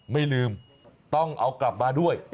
ไม่ลืมต้องเอากลับมาด้วย